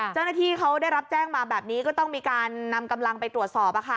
เจ้าหน้าที่เขาได้รับแจ้งมาแบบนี้ก็ต้องมีการนำกำลังไปตรวจสอบ